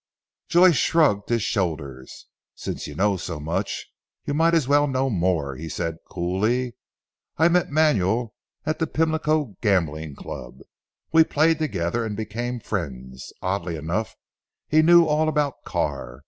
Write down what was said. Joyce shrugged his shoulders. "Since you know so much you might as well know more," he said coolly. "I met Manuel at the Pimlico gambling club. We played together and became friends. Oddly enough, he knew all about Carr.